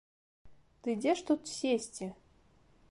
Ды дзе ж тут сесці?